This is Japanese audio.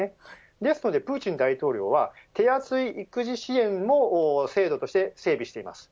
ですのでプーチン大統領は手厚い育児支援を制度として整備しています。